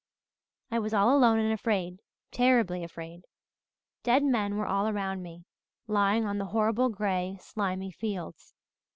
I was all alone and afraid terribly afraid. Dead men were all around me, lying on the horrible grey, slimy fields.